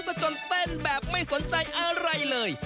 ซะจนเต้นแบบไม่สนใจอะไรเลย